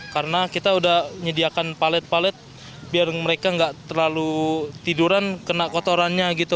karena kita sudah menyediakan palet palet biar mereka tidak terlalu tiduran kena kotorannya gitu